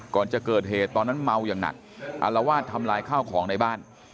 ก่อนจะเกิดเหตุตอนนั้นเมาอย่างหนักอารวาสทำลายข้าวของในบ้าน